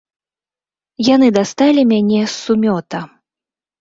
Яны дасталі мяне з сумёта.